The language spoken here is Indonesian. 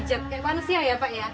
kayak panasnya ya pak ya